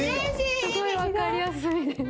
すごい分かりやすいです。